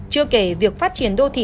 chưa kể việc phát triển đô thị